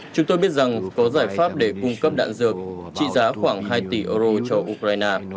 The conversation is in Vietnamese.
chúng tôi biết rằng có giải pháp để cung cấp đạn dược trị giá khoảng hai tỷ euro cho ukraine